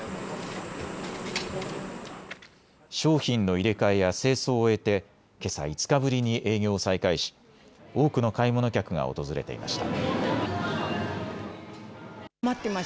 商品の入れ替えや清掃を終えてけさ、５日ぶりに営業を再開し多くの買い物客が訪れていました。